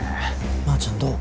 まーちゃんどう？